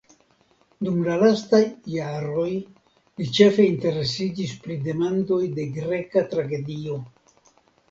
Dum la lastaj jaroj li ĉefe interesiĝis pri demandoj de greka tragedio.